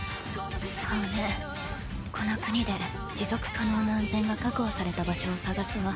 そうねこの国で持続可能な安全が確保された場所を探すわ。